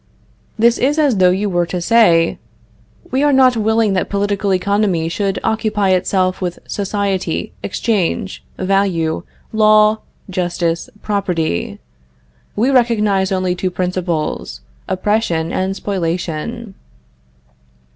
This is as though you were to say, "We are not willing that political economy should occupy itself with society, exchange, value, law, justice, property. We recognize only two principles oppression and spoliation."